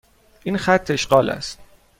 این خط اشغال است.